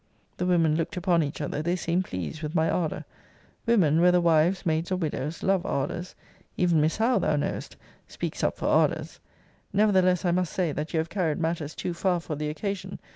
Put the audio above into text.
[The women looked upon each other they seemed pleased with my ardour. Women, whether wives, maids, or widows, love ardours: even Miss Howe, thou knowest, speaks up for ardours,*] Nevertheless, I must say, that you have carried matters too far for the occasion.